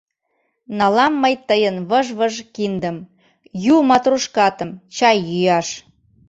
Налам мый тыйын выж-выж киндым, Ю матрушкатым чай йӱаш.